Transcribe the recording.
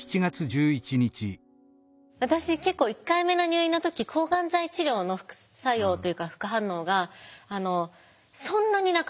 私結構１回目の入院の時抗がん剤治療の副作用というか副反応がそんなになかったんです。